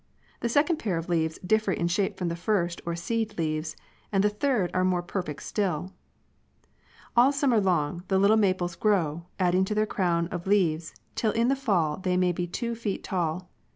The second pair of leaves differ in shape from the first or seed leaves, and the third are more perfect still (Figures 6 and 7) showing planilet. All summer long the little maples grow, adding to their crown of leaves, till in the fall they may be two feet tall.